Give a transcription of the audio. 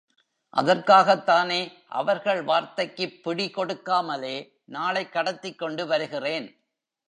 அதற்காகத்தானே அவர்கள் வார்த்தைக்குப் பிடிகொடுக்காமலே நாளைக் கடத்திக் கொண்டு வருகிறேன்.